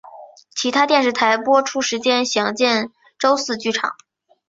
其他电视台播出时间详见周四剧场。